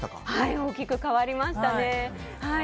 大きく変わりましたね。